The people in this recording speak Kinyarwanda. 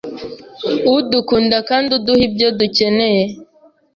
udukunda kandi uduha ibyo dukeneye